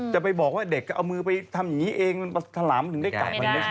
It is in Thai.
จะไปบอกว่าเด็กเอามือไปทำอย่างนี้เองมันถลำถึงได้กลับมาไม่ได้